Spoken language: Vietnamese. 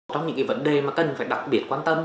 trong những vấn đề mà cần phải đặc biệt quan tâm